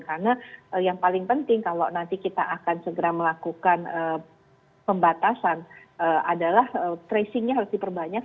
karena yang paling penting kalau nanti kita akan segera melakukan pembatasan adalah tracingnya harus diperbanyakkan